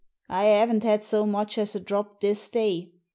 I haven't had so much as a drop this day.